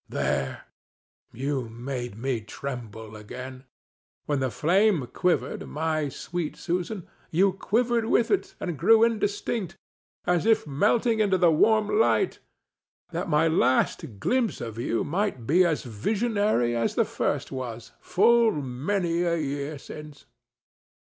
There! you made me tremble again. When the flame quivered, my sweet Susan, you quivered with it and grew indistinct, as if melting into the warm light, that my last glimpse of you might be as visionary as the first was, full many a year since.